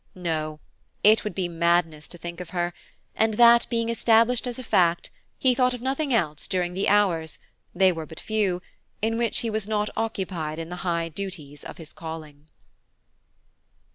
No, it would be madness to think of her, and that being established as a fact, he thought of nothing else during the hours–they were but few–in which he was not occupied in the high duties of his calling.